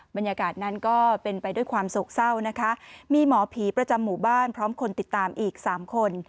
บรรยากาศนั้นก็เป็นไปด้วยความโศกเศร้านะคะมีหมอผีประจำหมู่บ้านพร้อมคนติดตามอีกสามคน